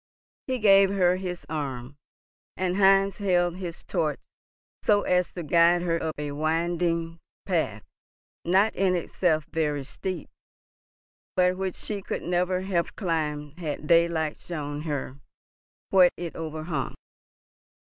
He gave her his arm, and Heinz held his torch so as to guide her up a winding path, not in itself very steep, but which she could never have climbed had daylight shown her what it overhung.